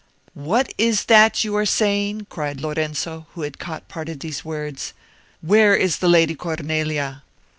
"What is that you are saying?" cried Lorenzo, who had caught a part of these words. "Where is the Lady Cornelia?"